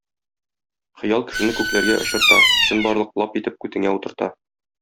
Хыял кешене күкләргә очырта, чынбарлык лап итеп күтеңә утырта.